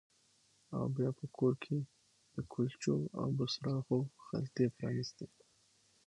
او بیا په کور کې د کلچو او بوسراغو خلطې پرانیستې